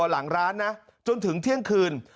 หลังร้านนะจนถึงเที่ยงคืน